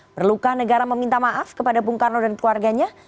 perlukah negara meminta maaf kepada bung karno dan keluarganya